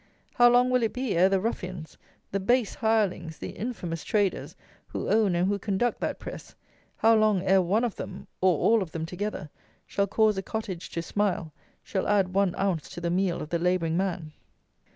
How long will it be ere the ruffians, the base hirelings, the infamous traders who own and who conduct that press; how long ere one of them, or all of them together, shall cause a cottage to smile; shall add one ounce to the meal of the labouring man!